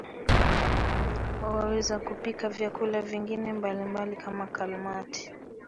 Waweza kupika vyakula vingine mbalimbali kama kalmati